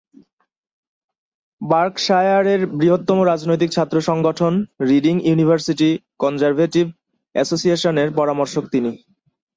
বার্কশায়ারের বৃহত্তম রাজনৈতিক ছাত্র সংগঠন রিডিং ইউনিভার্সিটি কনজারভেটিভ অ্যাসোসিয়েশনের পরামর্শক তিনি।